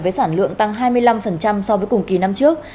với sản lượng tăng hai mươi năm so với cùng kỳ năm trước